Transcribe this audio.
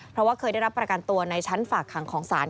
เพราะว่าเคยได้รับประกันตัวในชั้นฝากขังของศาล